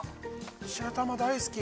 白玉大好き！